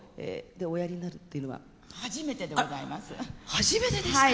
初めてですか？